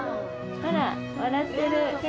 ほら、笑ってる。